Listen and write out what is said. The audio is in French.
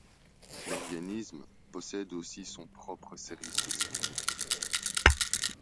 L'organisme possède aussi son propre service de sécurité.